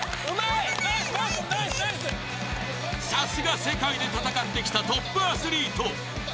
さすが世界で戦ってきたトップアスリート。